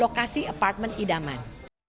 lokasi apartemen idaman